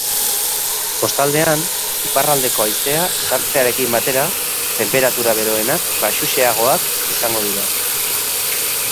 Kostaldean, iparraldeko haizea sartzearekin batera, tenperatura beroenak baxuxeagoak izango dira.